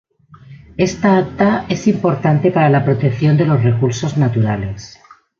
Esta acta es importante para la protección de los recursos naturales.